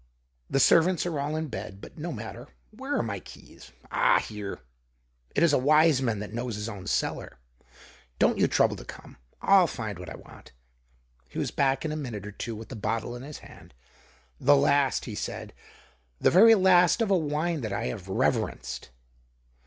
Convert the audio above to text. The servants are all in bed, but no matter. Where are my keys ? Ah, here ! It's a wise man that knows his own cellar. Don't you trouble to come, I'll find what I want." He was back in a minute or two with the bottle in his hand. "The last," he said, " the very last of a wine that I have rever enced."